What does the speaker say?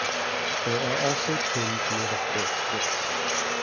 There are also tombs made of baked bricks.